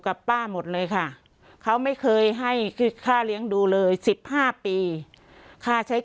กับป้าหมดเลยค่ะเขาไม่เคยให้ค่าเลี้ยงดูเลย๑๕ปีค่าใช้